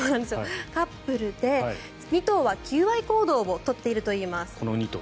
カップルで２頭は求愛行動を取っているといいます。